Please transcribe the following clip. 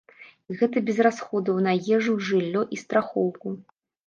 І гэта без расходаў на ежу, жыллё, і страхоўку.